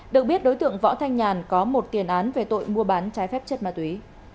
được biết đối tượng võ thanh nhàn có một tiền án về tội mua bán trái phép chất ma túy